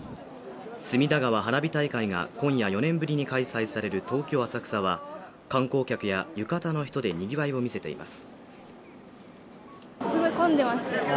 隅田川花火大会が今夜４年ぶりに開催される東京・浅草は観光客や浴衣の人でにぎわいを見せています